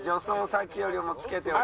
さっきよりもつけております。